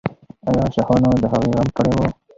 آیا شاهانو د هغې غم کړی و؟